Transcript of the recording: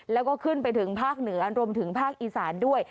แล้วก็ขึ้นไปถึงภาคเหนือรวมถึงภาคอีสานด้วย